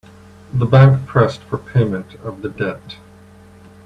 The bank pressed for payment of the debt.